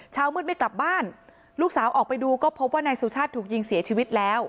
เช้ามืดไม่กลับบ้านลูกสาวออกไปดูก็พบว่านายสุชาติถูกยิงเสียชีวิตแล้ว